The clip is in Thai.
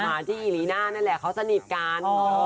ที่อิลีน่านั่นแหละเขาสนิทกัน